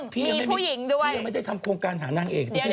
พี่ต้องทานให้ฉันหน่อยสิ